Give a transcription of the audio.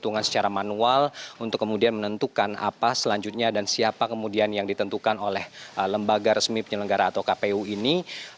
pengurangan secara manual untuk kemudian menentukan apa selanjutnya dan siapa kemudian yang ditentukan oleh lembaga resmi penyelenggara atau kpu ini